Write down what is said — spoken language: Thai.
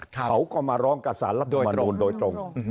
เขาก็มาร้องกับสารรัฐมนูลโดยตรง